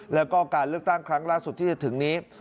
แล้วก็การเลือกตั้งครั้งล่าสุดที่จะถึงนี้